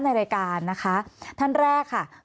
มีความรู้สึกว่าเสียใจ